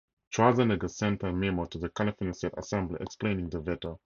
Schwarzenegger sent a memo to the California State Assembly explaining the veto.